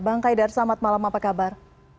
bang haidar selamat malam apa kabar